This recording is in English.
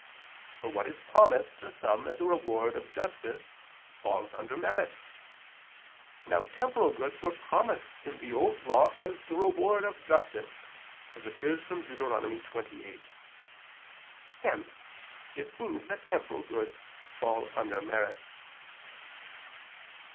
For what is promised to some as a reward of justice, falls under merit. Now, temporal goods were promised in the Old Law as the reward of justice, as appears from Deut. 28. Hence it seems that temporal goods fall under merit.